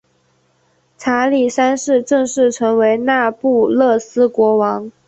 查理三世正式成为那不勒斯国王。